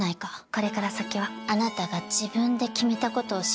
これから先はあなたが自分で決めたことを信じて。